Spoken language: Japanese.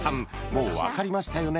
もう分かりましたよね